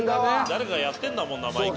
誰かがやってんだもんな毎回。